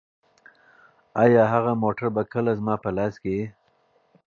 ایا هغه موټر به کله زما په لاس کې وي؟